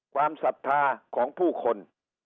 ความศรัทธาของผู้คน